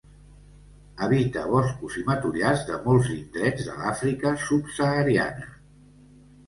Habita boscos i matollars de molts indrets de l'Àfrica subsahariana.